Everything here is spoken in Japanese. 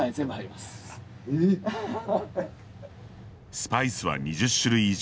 スパイスは２０種類以上。